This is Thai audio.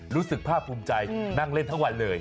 รู้สึกภาพภูมิใจนั่งเล่นทั้งวันเลย